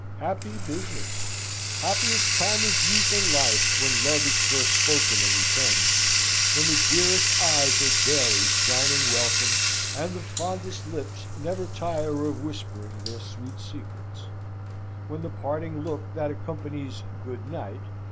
Happy business! Happiest time of youth and life, when love is first spoken and returned; when the dearest eyes are daily shining welcome, and the fondest lips never tire of whispering their sweet secrets; when the parting look that accompanies "Good night!"